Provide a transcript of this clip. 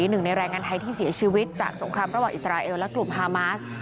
หนึ่งในแรงงานไทยที่เสียชีวิตจากสงครามระหว่างอิสราเอลและกลุ่มฮามาส